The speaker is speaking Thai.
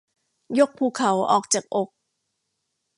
ยกภูเขาออกจากอก